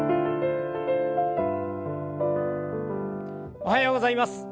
おはようございます。